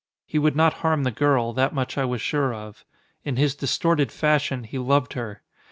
He would not harm the girl; that much I was sure of. In his distorted fashion he loved her.